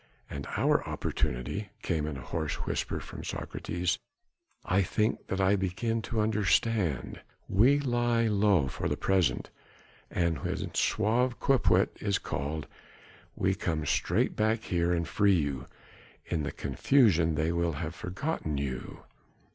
"And our opportunity," came in a hoarse whisper from Socrates. "I think that I begin to understand." "We lie low for the present and when sauve qui peut is called we come straight back here and free you ... in the confusion they will have forgotten you."